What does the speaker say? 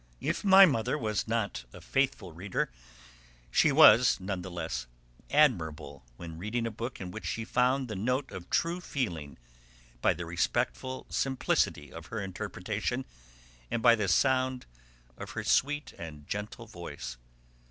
If my mother was not a faithful reader, she was, none the less, admirable when reading a work in which she found the note of true feeling by the respectful simplicity of her interpretation and by the sound of her sweet and gentle voice.